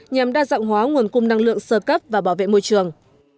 nhằm đa dạng hóa nguồn cung năng lượng sơ cấp và bảo vệ môi trường